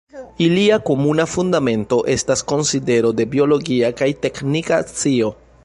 Ilia komuna fundamento estas konsidero de biologia kaj teknika scio.